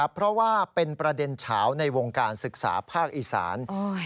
เพราะว่าเป็นประเด็นเฉาในวงการศึกษาภาคอีสาน